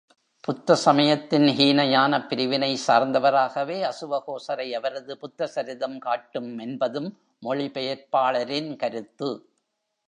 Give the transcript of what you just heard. புத்த சமயத்தின் ஹீனயானப் பிரிவினைச் சார்ந்தவராகவே அசுவகோசரை அவரது புத்த சரிதம் காட்டும் என்பதும் மொழிபெயர்ப்பாளரின் கருத்து.